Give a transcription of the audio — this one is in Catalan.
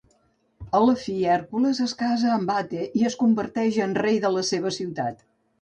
A la fi, Hèrcules es casa amb Ate i es converteix en rei de la seva ciutat.